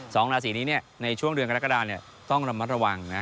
สองราศีนี้ในช่วงเดือนกรกฎาต้องระมัดระวังนะ